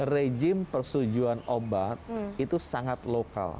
rejim persetujuan obat itu sangat lokal